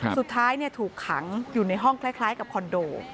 สุดท้ายถูกขังอยู่ในห้องคล้ายกับคอนโด